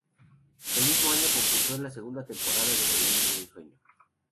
El mismo año concursó en la segunda temporada de "Bailando por un sueño".